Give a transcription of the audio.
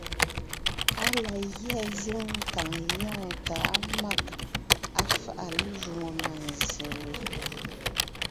Á la gyɛ́ zíŋ kàŋ yɔɔn tà á mâg, á fáʼa lé jwoŋo mânzse we,